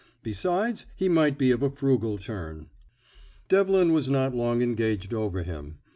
Besides, he might be of a frugal turn. Devlin was not long engaged over him.